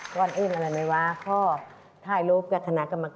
ก่อนอื่นอะไรไหมวะพ่อถ่ายรูปกับคณะกรรมการ